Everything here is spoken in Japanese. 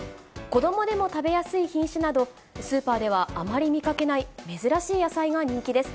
子どもでも食べやすい品種など、スーパーではあまり見かけない珍しい野菜が人気です。